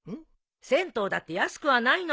銭湯だって安くはないのよ。